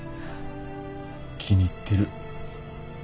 気に入ってる。